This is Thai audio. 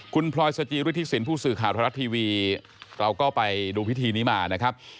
คุณพลอยสจิฤทธิสินผู้สื่อข่าวไทยรัฐทีวีเราก็ไปดูพิธีนี้มานะครับ